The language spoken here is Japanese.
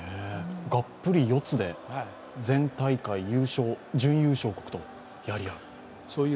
がっぷり四つで前大会優勝準優勝国とやり合う。